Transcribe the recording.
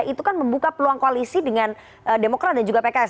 itu kan membuka peluang koalisi dengan demokrat dan juga pks